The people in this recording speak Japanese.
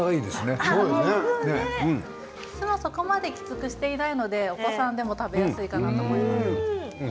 お酢もそこまできつくしていないのでお子さんでも食べやすいかなと思います。